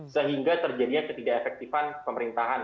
sehingga terjadinya ketidak efektifan pemerintahan